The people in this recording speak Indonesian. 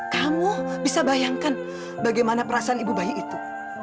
kamu bisa bayangkan bagaimana perasaan ibu bayi itu